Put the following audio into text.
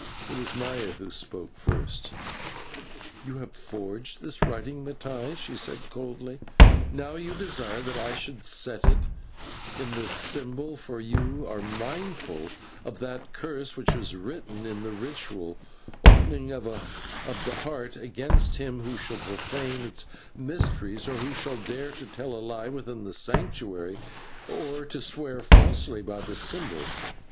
It was Maya who spoke first. "You have forged this writing, Mattai," she said coldly, "and now you desire that I should set it in the symbol, for you are mindful of that curse which is written in the ritual Opening of the Heart against him who shall profane its mysteries and token, or who should are to tell a lie within the Sanctuary, or to swear falsely by the symbol.